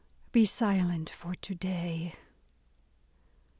be silent for to day !